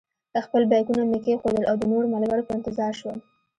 خپل بېکونه مې کېښودل او د نورو ملګرو په انتظار شوم.